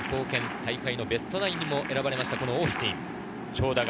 大会ベストナインにも選ばれたオースティン。